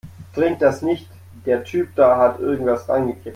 Trink das nicht, der Typ da hat irgendetwas reingekippt.